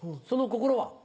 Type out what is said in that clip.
その心は？